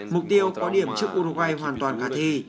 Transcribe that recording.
mục tiêu có điểm trước uruguay hoàn toàn khả thi